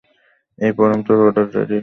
এই পরম, তোর অর্ডার রেডি।